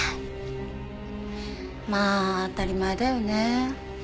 まあ当たり前だよね。